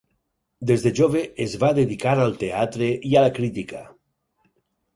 Des de jove es va dedicar al teatre i a la crítica.